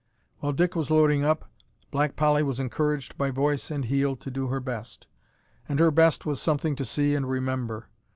While Dick was loading up, Black Polly was encouraged by voice and heel to do her best, and her best was something to see and remember!